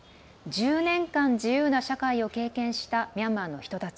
１０年間、自由な社会を経験したミャンマーの人たち。